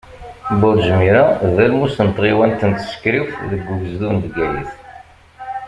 Burǧ Mira d almus n tɣiwant n Tsekriwt, deg ugezdu n Bgayet.